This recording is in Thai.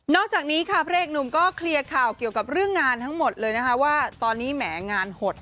อกจากนี้ค่ะพระเอกหนุ่มก็เคลียร์ข่าวเกี่ยวกับเรื่องงานทั้งหมดเลยนะคะว่าตอนนี้แหมงานหด